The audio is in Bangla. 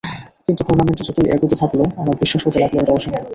কিন্তু টুর্নামেন্টে যতই এগোতে থাকল, আমার বিশ্বাস হতে লাগল, এটা সম্ভব।